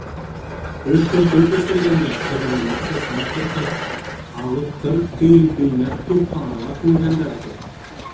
Өшкөртөп эсергәндәр, ҡыҙыңдың сәсен ҡырҡып алып, ҡырҡ төйөн төйнәп, тупһаңа ла күмгәндәр, ти.